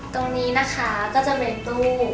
ตรงนี้นะคะก็จะเป็นตู้